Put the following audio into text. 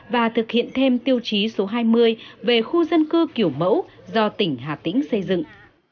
và thực hiện thêm tiêu chí số hai mươi về khu dân cư kiểu mẫu do tỉnh hà tĩnh xây dựng